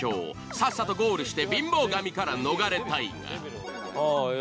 さっさとゴールして貧乏神から逃れたいが。